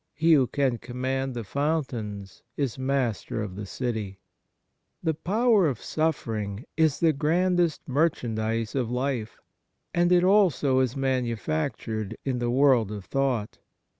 He who can command the fountains is master of the city. The power of suffering is the grandest mer chandise of life, and it also is manufactured in the world of thought.